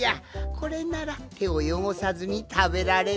これならてをよごさずにたべられるぞい。